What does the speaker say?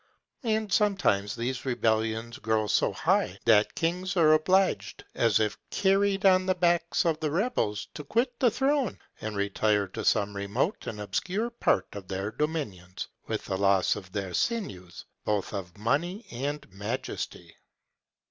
And sometimes these rebellions grow so high, that kings are obliged, as if carried on the backs of the rebels, to quit the throne, and retire to some remote and obscure part of their dominions, with the loss of their sinews, both of money and majesty.